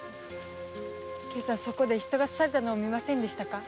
今朝人が刺されたのを見ませんでしたか？